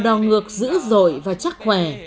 hò đò ngược dữ dội và chắc khỏe